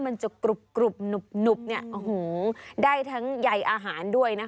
มันจะกรุบนุบได้ทั้งใหญ่อาหารด้วย